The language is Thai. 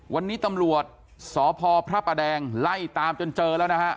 วันนี้ตำรวจสพพระประแดงไล่ตามจนเจอแล้วนะฮะ